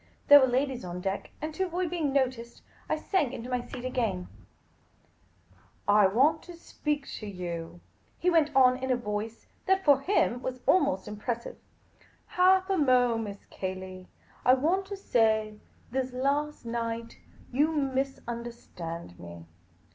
There were ladies on deck, and to avoid being noticed I sank into my seat again, " I want to speak to you," he went on, in a voice that (for him) was ahnost impressive. " Half a mo'. Miss Cayley. I want to say — this last night — you misunderstand me."